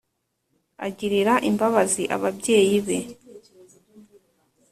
agirira imbabazi ababyeyi be?